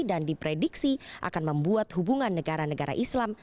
dan diprediksi akan membuat hubungan negara negara islam